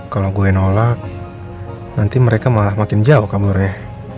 kalau gue nolak nanti mereka malah makin jauh kaburnya